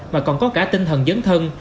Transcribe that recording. mà còn có cả tinh thần dấn thân